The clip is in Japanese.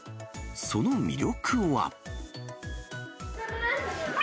その魅力は。